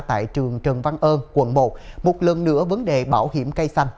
tại trường trần văn ơn quận một một lần nữa vấn đề bảo hiểm cây xanh